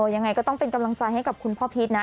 ยังไงก็ต้องเป็นกำลังใจให้กับคุณพ่อพีชนะ